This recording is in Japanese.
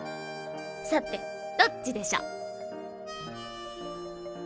さてどっちでしょ？